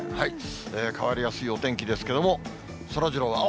変わりやすいお天気ですけれども、そらジローは？